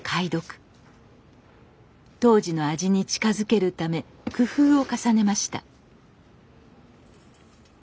当時の味に近づけるため工夫を重ねました。